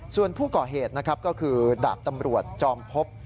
ส่วนผู้ก่อเหตุนะครับก็คือดาบตำรวจจอมพบ